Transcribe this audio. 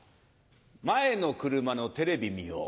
前の車のテレビ見よう。